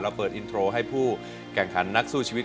เปิดอินโทรให้ผู้แข่งขันนักสู้ชีวิต